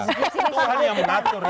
tuhan yang mengatur itu